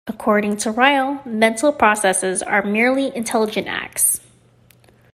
According to Ryle, mental processes are merely intelligent acts.